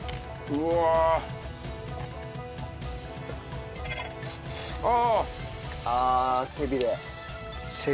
うわあ。